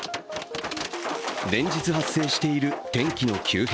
連日発生している天気の急変。